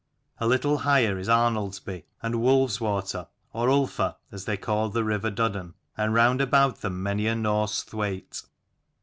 A little higher is Arnold's by and Wolveswater, or Ulfa, as they called the river Duddon, and round about them many a Norse thwaite.